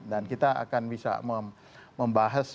dan kita akan bisa membahas